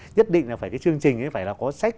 nhất định là phải cái chương trình phải có sách